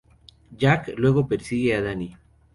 Jack luego persigue a Danny.